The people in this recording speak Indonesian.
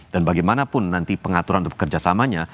dan bagaimanapun nanti pengaturan untuk kerjasamanya